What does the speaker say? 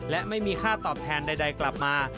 และไม่มีค่าตอบแทนใดกลับมา